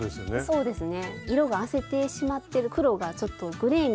そうですね。